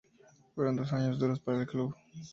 Fueron dos años duros para el club.